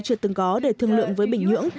chưa từng có để thương lượng với bình nhưỡng